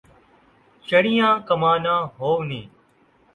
چڑھیاں کماناں ہونِیں